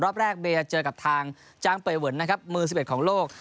รอบแรกเบย์เจอกับทางจางเป๋วนมือ๑๑ของโลก